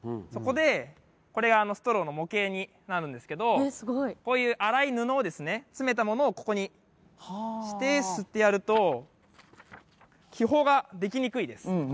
そこでこれストローの模型になるんですけどこういう粗い布をですね詰めたものをここにして吸ってやると気泡ができにくいです。